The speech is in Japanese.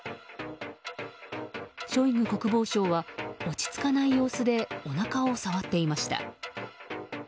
ショイグ国防相は落ち着かない様子でおなかを触っていました。